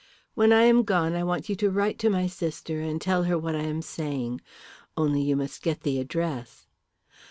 When I am gone I want you to write to my sister and tell her what I am saying. Only you must get the address."